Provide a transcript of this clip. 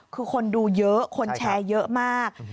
คือคนดูเยอะคนแชร์เยอะมาก